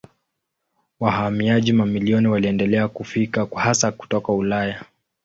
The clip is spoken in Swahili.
Wahamiaji mamilioni waliendelea kufika hasa kutoka Ulaya.